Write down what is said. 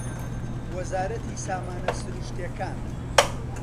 وەزارەتی سامانە سروشتییەکان